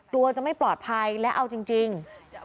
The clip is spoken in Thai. กลัวจะไม่ปลอดภัยและเอาจริง